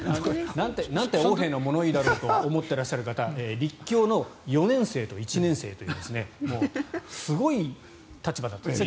なんて横柄な物言いだと思っている方立教の４年生と１年生というすごい立場だと。